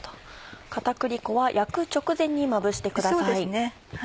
片栗粉は焼く直前にまぶしてください。